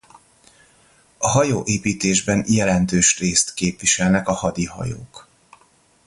A hajóépítésben jelentős részt képviselnek a hadihajók.